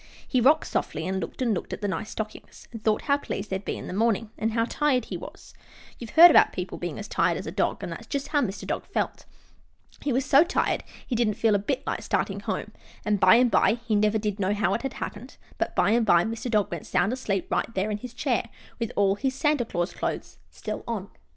He rocked softly, and looked and looked at the nice stockings, and thought how pleased they'd be in the morning, and how tired he was. You've heard about people being as tired as a dog; and that's just how Mr. Dog felt. He was so tired he didn't feel a bit like starting home, and by and by he never did know how it happened but by and by Mr. Dog went sound asleep right there in his chair, with all his Santa Claus clothes on.